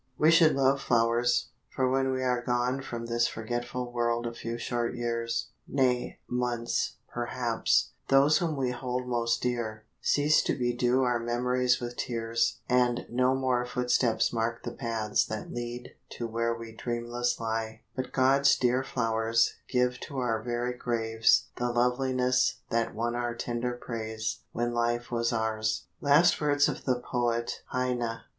"We should love flowers, for when we are gone From this forgetful world a few short years Nay, months, perhaps those whom we hold most dear, Cease to bedew our memories with tears, And no more footsteps mark the paths that lead To where we dreamless lie; but God's dear flowers Give to our very graves the loveliness That won our tender praise when life was ours." LAST WORDS OF THE POET HEINE.